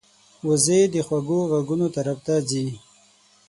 وزې د خوږو غږونو طرف ته ځي